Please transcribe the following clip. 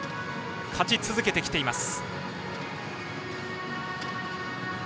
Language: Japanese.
勝ち続けてきています。